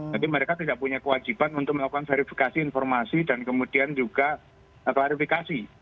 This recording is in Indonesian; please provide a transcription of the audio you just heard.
jadi mereka tidak punya kewajiban untuk melakukan verifikasi informasi dan kemudian juga klarifikasi